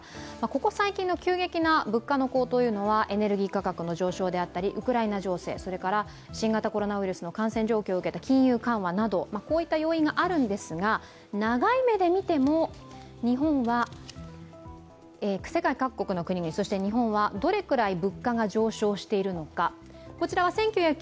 ここ最近の急激な物価の高騰というのは、エネルギー価格上昇であったりウクライナ情勢、それから新型コロナウイルスの感染状況を受けた金融緩和など、こういった要因があるんですが長い目で見ても、世界各国、それから日本はどれくらい物価が上昇しているのか。